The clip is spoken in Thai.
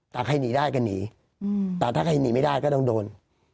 ถ้าใครหนีได้ก็หนีแต่ถ้าใครหนีไม่ได้ก็ต้องโดน